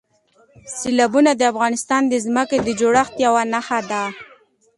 سیلابونه د افغانستان د ځمکې د جوړښت یوه نښه ده.